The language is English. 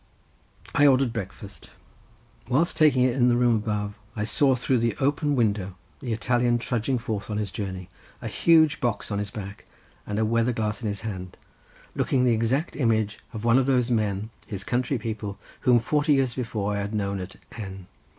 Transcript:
I ordered breakfast; whilst taking it in the room above I saw through the open window the Italian trudging forth on his journey, a huge box on his back, and a weather glass in his hand—looking the exact image of one of those men his country people, whom forty years before I had known at N.